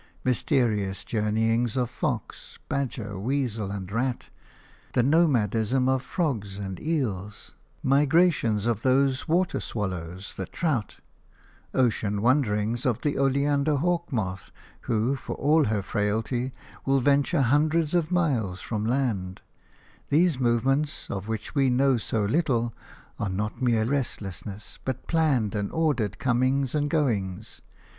Mysterious journeyings of fox, badger, weasel and rat; the nomadism of frogs and eels; migrations of those "water swallows," the trout; ocean wanderings of the oleander hawk moth, who, for all her frailty, will venture hundreds of miles from land – these movements, of which we know so little, are not mere restlessness, but planned and ordered comings and goings.